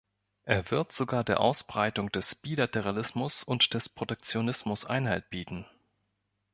Er wird sogar der Ausbreitung des Bilateralismus und des Protektionismus Einhalt bieten.